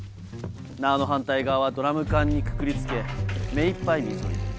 縄の反対側はドラム缶にくくり付け目いっぱい水を入れる。